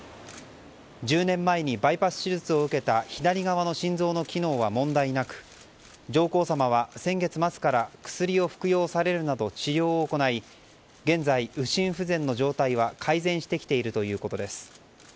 １０年前にバイパス手術を受けた左側の心臓の機能は問題なく上皇さまは先月末から薬を服用されるなど治療を行い現在、右心不全の状態は改善してきているということです。